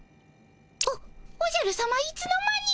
おおじゃるさまいつの間に。